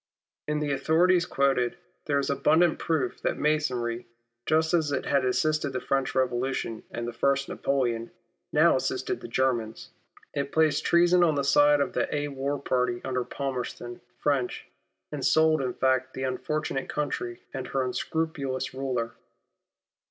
In the authorities I have quoted for you, there is abundant proof that Masonry, just as it had assisted the French Eevolution and Napoleon I., now assisted the Germans. It placed treason on the side of the French, and sold in fact the unfortunate country and her unscrupulous ruler.